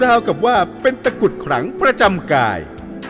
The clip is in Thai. ราวกับว่าเป็นตะกุดขลังประจำกาย